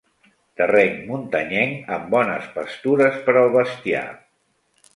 Terreny muntanyenc amb bones pastures per al bestiar.